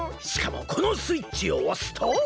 しかもこのスイッチをおすと。